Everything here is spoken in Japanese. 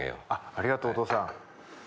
ありがとうお父さん。